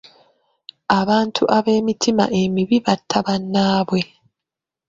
Abantu ab'emitima emibi batta bannaabwe.